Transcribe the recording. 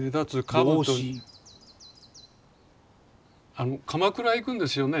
あの鎌倉行くんですよね？